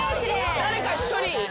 誰か１人。